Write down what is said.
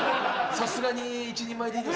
さすがに１人前でいいです。